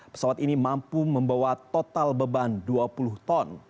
pesawat ini mampu membawa total beban dua puluh ton